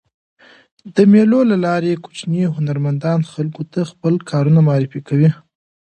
د مېلو له لاري کوچني هنرمندان خلکو ته خپل کارونه معرفي کوي.